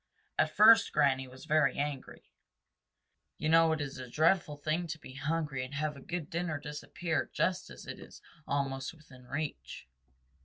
At first Granny was very angry. You know it is a dreadful thing to be hungry and have a good dinner disappear just as it is almost within reach.